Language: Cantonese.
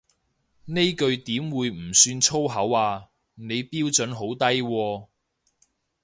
呢句點會唔算粗口啊，你標準好低喎